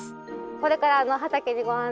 これから畑にご案内しますので。